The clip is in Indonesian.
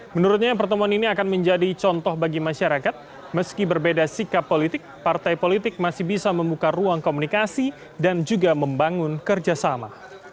menurutnya pertemuan ini akan menjadi contoh bagi masyarakat meski berbeda sikap politik partai politik masih bisa membuka ruang komunikasi dan juga membangun kerjasama